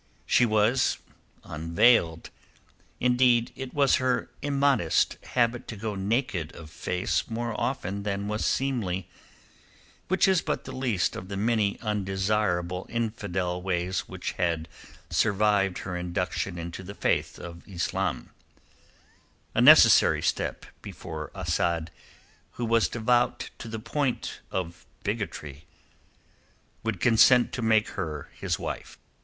She was unveiled; indeed it was her immodest habit to go naked of face more often than was seemly, which is but the least of the many undesirable infidel ways which had survived her induction into the Faith of Islam—a necessary step before Asad, who was devout to the point of bigotry, would consent to make her his wife.